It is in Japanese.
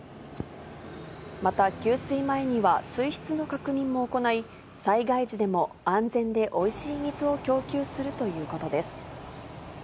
また、給水前には水質の確認も行い、災害時でも安全でおいしい水を供給するということです。